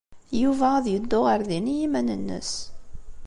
Yuba ad yeddu ɣer din i yiman-nnes.